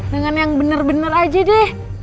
dengan yang bener bener aja deh